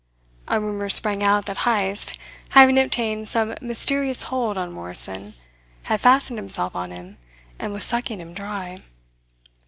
A rumour sprang out that Heyst, having obtained some mysterious hold on Morrison, had fastened himself on him and was sucking him dry.